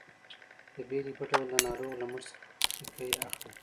د بیلګې په ډول د ناروغ له مټ څخه پوستکی اخلي.